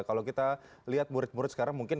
kalau kita lihat murid murid sekarang mungkin